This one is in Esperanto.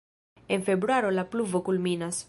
En februaro la pluvo kulminas.